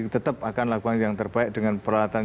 tetap akan lakukan yang terbaik dengan peralatan